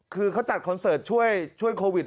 คือเขาจัดคอนเสิร์ตช่วยโควิด